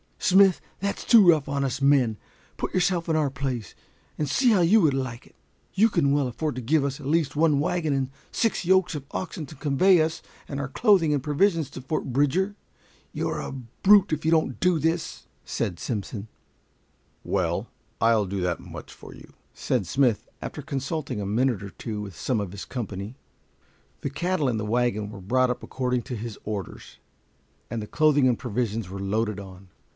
"Smith, that's too rough on us men. Put yourself in our place, and see how you would like it," said Simpson. "You can well afford to give us at least one wagon and six yokes of oxen to convey us and our clothing and provisions to Fort Bridger. You're a brute if you don't do this." "Well," said Smith, after consulting a minute or two with some of his company, "I'll do that much for you." The cattle and the wagon were brought up according to his orders, and the clothing and provisions were loaded on.